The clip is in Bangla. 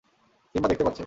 সিম্বা দেখতে পাচ্ছে!